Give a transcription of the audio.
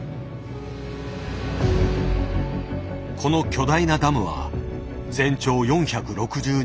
この巨大なダムは全長４６２ｍ。